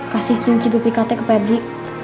kasih kunci dupikatnya ke pebri